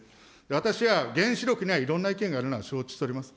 私は原子力には、いろんな意見があるのは承知しております。